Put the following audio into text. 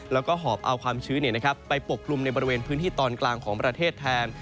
แล้วก็หอบเอาความชื้นไปปกกลุ่มในบริเวณพื้นที่ตอนกลางของประเทศแทน